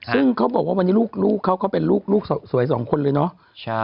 ซึ่งเขาบอกว่าวันนี้ลูกเขาก็เป็นลูกสวยสองคนเลยเนาะ